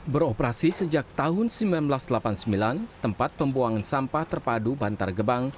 beroperasi sejak tahun seribu sembilan ratus delapan puluh sembilan tempat pembuangan sampah terpadu bantar gebang